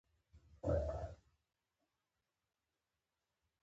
ترهګریز سازمانونه د بې ګناه خلکو ژوند ته خطر پېښوي.